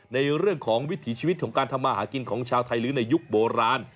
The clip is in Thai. ในเรื่องของวิถีชีวิตของการทำมาหากินของชาวไทยหรือในยุคโบราณ